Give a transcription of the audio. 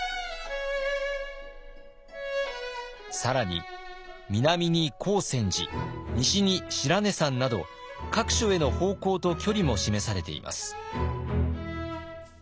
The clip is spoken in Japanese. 更に南に光泉寺西に白根山など各所への方向と距離も示されています。